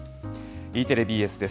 Ｅテレ、ＢＳです。